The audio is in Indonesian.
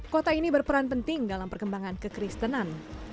kota ini berperan penting dalam perkembangan kekristenan